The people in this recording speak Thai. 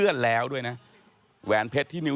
นั่นแหละสิเขายิบยกขึ้นมาไม่รู้ว่าจะแปลความหมายไว้ถึงใคร